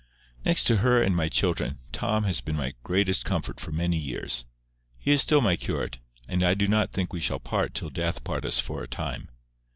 Next to her and my children, Tom has been my greatest comfort for many years. He is still my curate, and I do not think we shall part till death part us for a time.